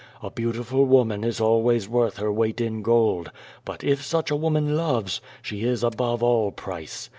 A beautiful woman is always worth her weight in gold, but if such a woman loves, she is above all price.